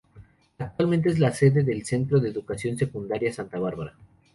Actualmente es la sede del Centro de Educación Secundaria Santa Bárbara.